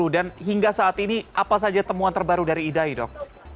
dan hingga saat ini apa saja temuan terbaru dari idai dok